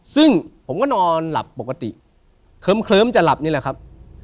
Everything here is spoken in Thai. ซึ่งผมก็นอนหลับปกติเคลิ้มจะหลับนี่แหละครับ